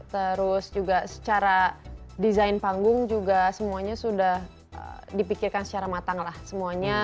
terus juga secara desain panggung juga semuanya sudah dipikirkan secara matang lah semuanya